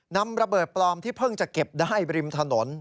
นำระเบิดปลอมที่เพิ่งจะเก็บได้ริมถนน